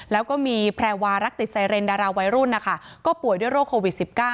แล้วก็มีแพรวารักติดไซเรนดาราไวรุ่นก็ป่วยโรคโควิด๑๙